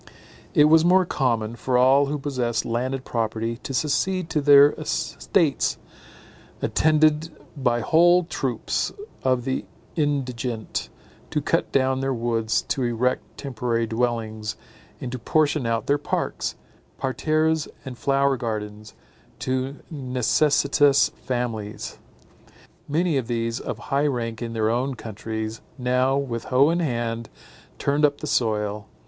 It was more common, for all who possessed landed property to secede to their estates, attended by whole troops of the indigent, to cut down their woods to erect temporary dwellings, and to portion out their parks, parterres and flower gardens, to necessitous families. Many of these, of high rank in their own countries, now, with hoe in hand, turned up the soil.